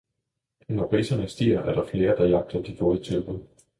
Når priserne stiger, er der flere, der jager de gode tilbud.